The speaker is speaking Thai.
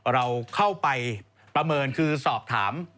เราเข้าไปประเมินคือสอบถาม